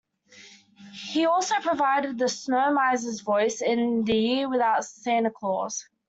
He also provided the Snow Miser's voice in "The Year Without a Santa Claus".